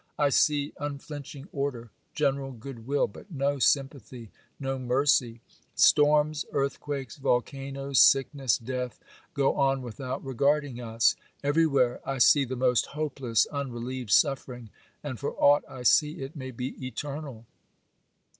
I see unflinching order, general good will, but no sympathy, no mercy. Storms, earthquakes, volcanoes, sickness, death, go on without regarding us. Everywhere I see the most hopeless, unrelieved suffering,—and for aught I see, it may be eternal.